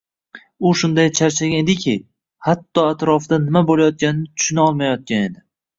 U shunday charchagan ediki, hatto atrofida nima bo`layotganini tushuna olmayotgan edi